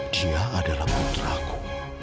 dia adalah putraku